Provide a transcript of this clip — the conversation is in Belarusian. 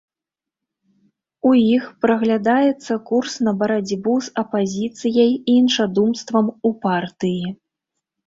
У іх праглядаецца курс на барацьбу з апазіцыяй і іншадумствам у партыі.